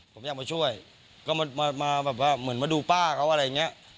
ผมอยากมาช่วยก็มาแบบว่าเหมือนมาดูป้าเขาอะไรอย่างเงี้ย